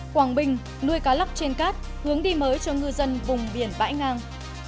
quảng bình nuôi cá lóc trên cát hướng đi mới cho ngư dân vùng biển bãi ngang